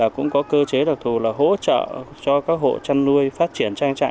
cũng có cơ chế đặc thù là hỗ trợ cho các hộ chăn nuôi phát triển trang trại